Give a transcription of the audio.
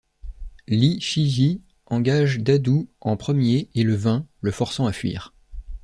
Li Shiji engage Dadu en premier et le vainc, le forçant à fuir.